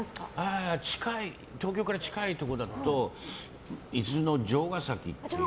東京から近いところだと伊豆の城ヶ崎という。